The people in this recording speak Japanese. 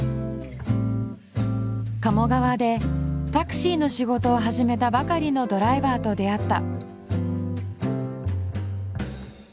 鴨川でタクシーの仕事を始めたばかりのドライバーと出会った。